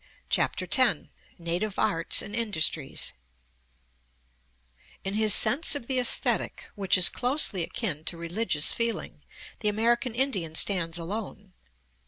CHAPTER X NATIVE ARTS AND INDUSTRIES In his sense of the æsthetic, which is closely akin to religious feeling, the American Indian stands alone.